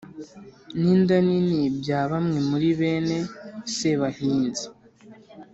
n'inda nini bya bamwe muri bene sebahinzi.